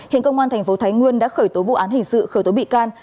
hiện công an thành phố thái nguyên đã khởi tố vụ án hình sự khởi tố bị can